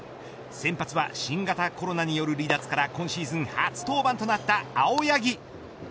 先発は新型コロナによる離脱から今シーズン初登板となった青柳。